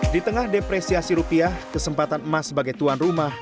di tengah depresiasi rupiah kesempatan emas sebagai tuan rumah